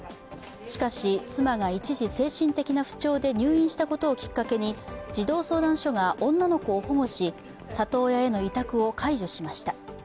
しかし妻が一時、精神的な不調で入院したことをきっかけに児童相談所が女の子を保護し里親への委託を解除しました。